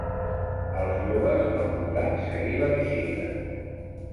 Els joves no podran seguir la visita.